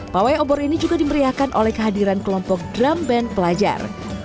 pawai obor ini juga dimeriahkan oleh kehadiran kelompok drum band pelajar